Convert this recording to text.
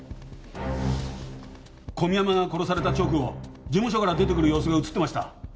小宮山が殺された直後事務所から出てくる様子が映ってました。